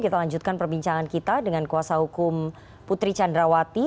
kita lanjutkan perbincangan kita dengan kuasa hukum putri candrawati